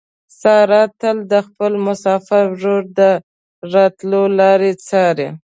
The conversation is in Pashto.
ساره تل د خپل مسافر ورور د راتلو لارې څاري.